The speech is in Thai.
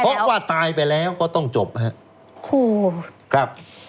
เพราะว่าตายไปแล้วก็ต้องจบฮะโอ้โหครับ